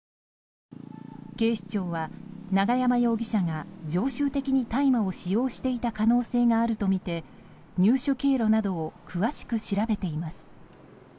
警視庁は永山容疑者が常習的に大麻を使用していた可能性があるとみて入手経路などを詳しく調べています。